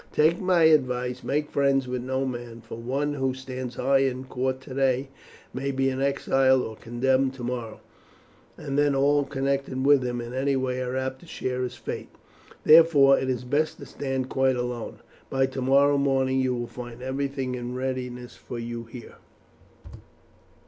Take my advice, make friends with no man, for one who stands high in court favour today may be an exile or condemned tomorrow, and then all connected with him in any way are apt to share his fate; therefore, it is best to stand quite alone. By tomorrow morning you will find everything in readiness for you here."